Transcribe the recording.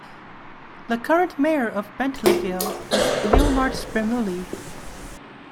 The current mayor of Bentleyville is Leonard Spremulli.